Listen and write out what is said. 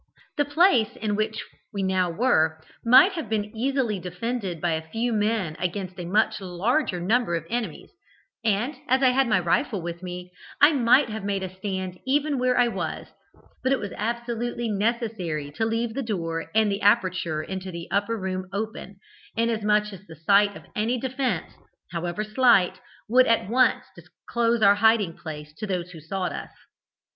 The place in which we now were, might have been easily defended by a few men against a much larger number of enemies; and, as I had my rifle with me, I might have made a stand even where I was, but it was absolutely necessary to leave the door and the aperture into the upper room open, inasmuch as the sight of any defence, however slight, would at once disclose our hiding place to those who sought us.